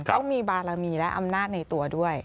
ต้องมีบารมีและอำนาจในตัวด้วย